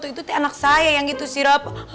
itu anak saya yang itu sirap